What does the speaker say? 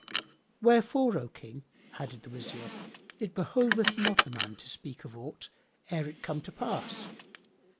"Wherefore, O King," added the Wazir, "it behoveth not a man to speak of aught ere it come to pass."